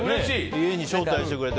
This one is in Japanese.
家に招待してくれて。